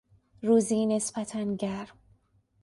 روزی نسبتا گرم